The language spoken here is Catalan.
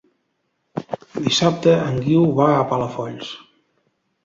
Dissabte en Guiu va a Palafolls.